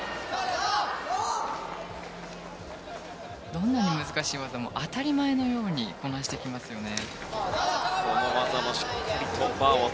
どんなに難しい技も当たり前のようにこなしてきますよね。